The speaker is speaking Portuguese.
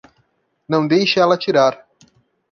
Não deixe ela atirar.